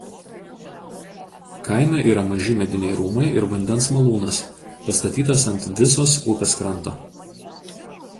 Kaime yra maži mediniai rūmai ir vandens malūnas pastatytas ant Visos upės kranto.